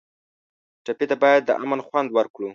ټپي ته باید د امن خوند ورکړو.